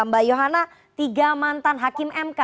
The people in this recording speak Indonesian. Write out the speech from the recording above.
mbak yohana tiga mantan hakim mk